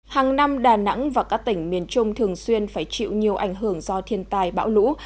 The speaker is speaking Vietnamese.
hàng năm đà nẵng và các tỉnh miền trung thường xuyên phải chịu nhiều ảnh hưởng do thiên tai bão lũ